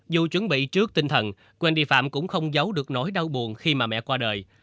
dù chuẩn bị trước tinh thần quên đi phạm cũng không giấu được nỗi đau buồn khi mà mẹ qua đời